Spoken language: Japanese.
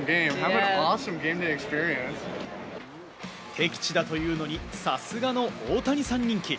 敵地だというのに、さすがのオオタニサン人気。